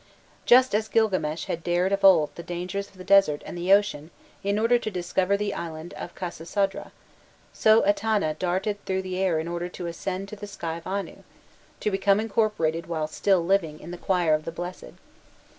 Just as Gilgames had dared of old the dangers of the desert and the ocean in order to discover the island of Khasisadra, so Etana darted through the air in order to ascend to the sky of Anu, to become incorporated while still living in the choir of the blessed.